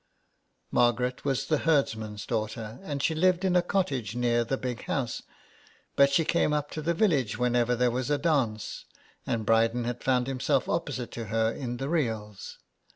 Margaret was the herdsman's daughter, and she lived in a cottage near the Big House; but she came up to the village whenever there was a dance, and Bryden had found himself opposite to her in the reels.